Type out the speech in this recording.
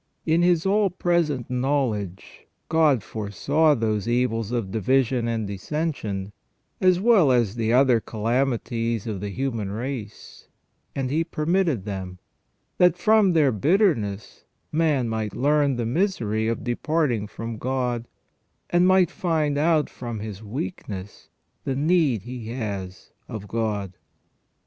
In His all present knowledge God foresaw those evils of division and dissension, as well as the other calamities of the human race, and He permitted them, that from their bitterness man might learn the misery of departing from God, and might find out from his weakness the need he has of God.